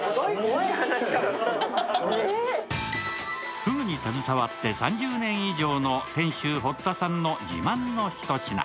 ふぐに携わって３０年以上の店主・堀田さんの自慢のひと品。